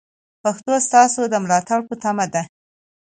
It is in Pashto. پښتو ستاسو د ملاتړ په تمه ده.